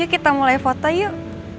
kita mulai foto yuk